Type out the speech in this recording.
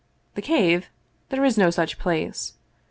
" The Cave ? There is no such place